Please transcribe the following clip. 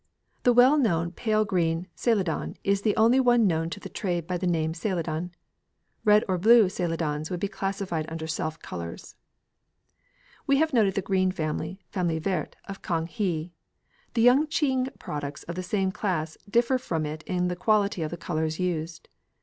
The well known pale green Celadon is the only one known to the trade by the name Celadon. Red or blue Celadons would be classed under self colours. We have noted the green family, "famille verte," of Kang he. The Yung ching products of the same class differ from it in the quality of the colours used.